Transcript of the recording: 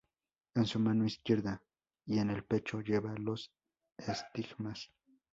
En su mano izquierda y en el pecho lleva los estigmas.